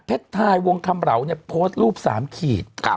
เพชรไทยวงคำเหลาโพสต์รูปสามขีด